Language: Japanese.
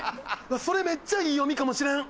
それめっちゃいい読みかもしれん。